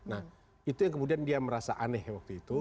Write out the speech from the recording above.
nah itu yang kemudian dia merasa aneh waktu itu